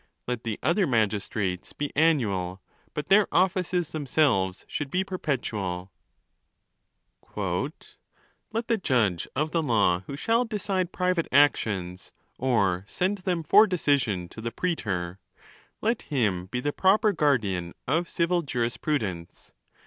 Let the other magis trates be annual, but their offices themselves should be perpetual. "Let the judge of the law who shall decide private actions, or send them for decision to the preetor—let him be the pro per guardian of civil jurisprudence.